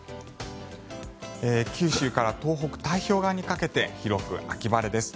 九州から東北太平洋側にかけて広く秋晴れです。